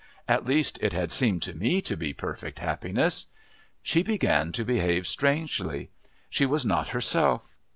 At least it had seemed to me to be perfect happiness. She began to behave strangely. She was not herself.